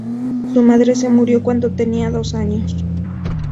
Su madre se murió cuando tenía dos años.